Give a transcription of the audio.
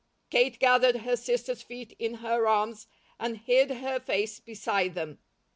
Kate gathered her sister's feet in her arms and hid her face beside them.